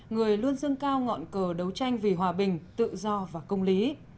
người luôn dương cao ngọn cờ đấu tranh vì hòa bình tự do và công lý